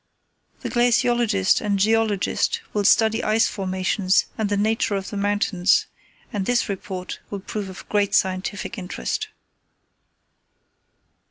"The glaciologist and geologist will study ice formations and the nature of the mountains, and this report will prove of great scientific interest.